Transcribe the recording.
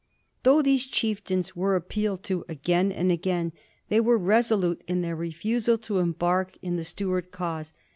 Though these chieftains were appealed to again and again, they were resolute in their refusal to embark in the Stuart cause.